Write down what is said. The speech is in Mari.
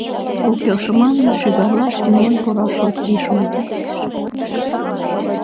Ок келше манын, шӱгарлаш миен пураш ок лий шо-ол.